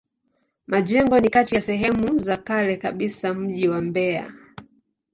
Majengo ni kati ya sehemu za kale kabisa za mji wa Mbeya.